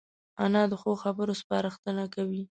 انا د ښو خبرو سپارښتنه کوي